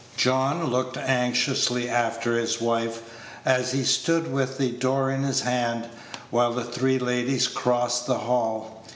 John looked anxiously after his wife, as he stood with the door in his hand, while the three ladies crossed the hall.